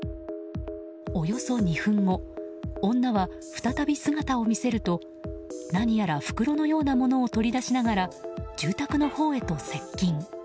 およそ２分後女は再び姿を見せると何やら袋のようなものを取り出しながら住宅のほうへと接近。